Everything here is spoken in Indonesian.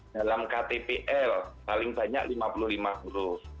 dalam ktpl paling banyak lima puluh lima huruf